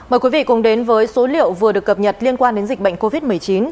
mời quý vị cùng đến với số liệu vừa được cập nhật liên quan đến dịch bệnh covid một mươi chín